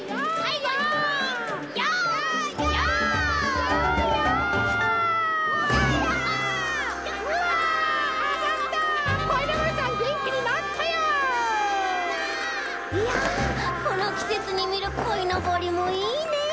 いやこのきせつにみるこいのぼりもいいねえ！